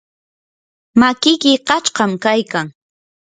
makiki qachqam kaykan.